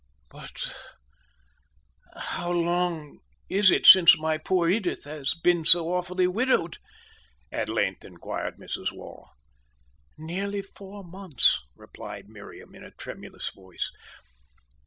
"But how long is it since my poor Edith has been so awfully widowed?" at length inquired Mrs. Waugh. "Nearly four months," replied Marian, in a tremulous voice.